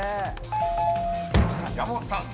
［山本さん］